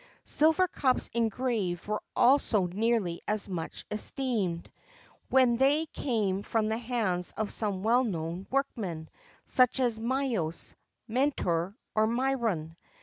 Silver cups engraved were also nearly as much esteemed, when they came from the hands of some well known workman such as Myos, Mentor, or Myron.